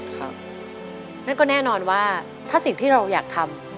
นั่นก็แน่นอนว่าถ้าสิ่งที่เราอยากทำ